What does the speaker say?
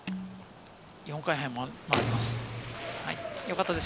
４回半回ります。